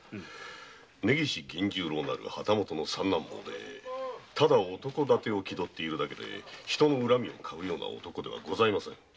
根岸銀十郎なる旗本の三男坊でただの男伊達気取りで人に恨みをかうような男ではございません。